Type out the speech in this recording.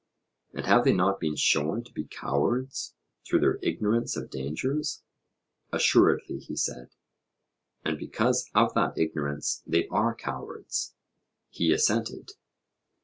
And have they not been shown to be cowards through their ignorance of dangers? Assuredly, he said. And because of that ignorance they are cowards? He assented.